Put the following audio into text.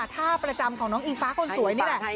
ท่าประจำของน้องอิงฟ้าคนสวยนี่แหละ